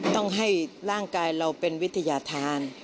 ต้องให้ร่างกายเราเป็นวิทยาธาร